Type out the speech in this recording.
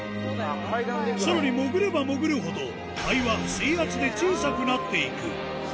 さらに、潜れば潜るほど、肺は水圧で小さくなっていく。